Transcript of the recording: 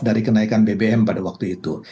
dari kenaikan bbm pada waktu itu